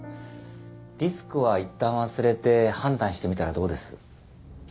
リスクはいったん忘れて判断してみたらどうです？